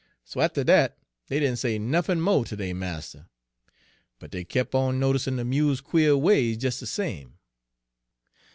So atter dat dey didn' say nuffin mo' ter dey marster, but dey kep' on noticin' de mule's quare ways des de same.